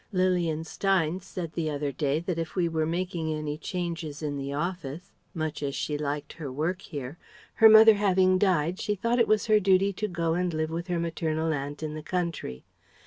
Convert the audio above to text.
Lilian Steynes said the other day that if we were making any changes in the office, much as she liked her work here, her mother having died she thought it was her duty to go and live with her maternal aunt in the country.